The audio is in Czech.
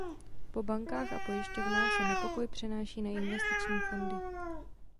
Po bankách a pojišťovnách se nepokoj přenáší na investiční fondy.